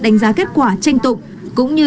đánh giá kết quả tranh tục cũng như